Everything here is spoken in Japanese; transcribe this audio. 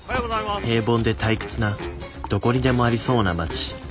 平凡で退屈などこにでもありそうな町。